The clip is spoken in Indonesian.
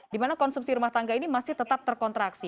dimana konsumsi rumah tangga ini masih tetap terkontraksi